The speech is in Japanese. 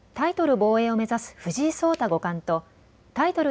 防衛を目指す藤井聡太五冠とタイトル